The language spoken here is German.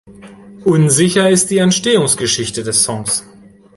Unsicher ist die Entstehungsgeschichte des Songs.